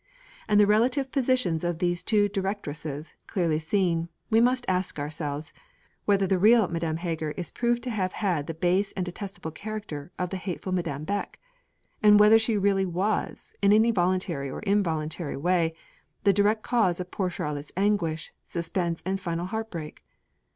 And the relative positions of these two Directresses clearly seen, we have to ask ourselves, Whether the real Madame Heger is proved to have had the base and detestable character of the hateful Madame Beck? and whether she really was, in any voluntary or even involuntary, way, the direct cause of poor Charlotte's anguish, suspense and final heart break?